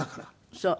そう。